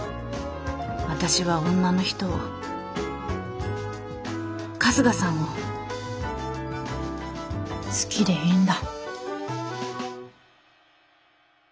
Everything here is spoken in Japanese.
私は女の人を春日さんを好きでいいんだ。